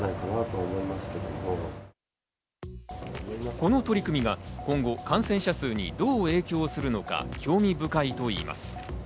この取り組みが今後、感染者数にどう影響するのか興味深いといいます。